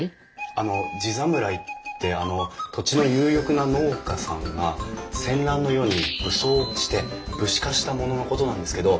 あの地侍ってあの土地の有力な農家さんが戦乱の世に武装して武士化した者のことなんですけど。